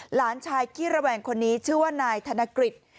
หลานชายขี้ระแวงคนนี้ชื่อว่านายธนกฤษ